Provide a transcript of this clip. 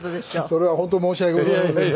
それは本当申し訳ございません。